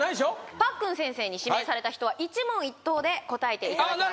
パックン先生に指名された人は一問一答で答えていただきます